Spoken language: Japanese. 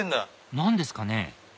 何ですかね？